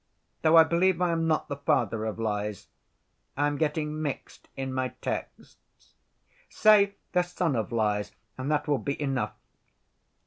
Though I believe I am not the father of lies. I am getting mixed in my texts. Say, the son of lies, and that will be enough.